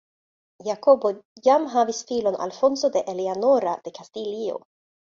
Jakobo jam havis filon Alfonso de Eleanora de Kastilio.